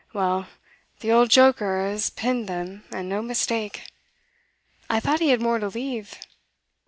'Well, the old joker has pinned them, and no mistake. I thought he had more to leave.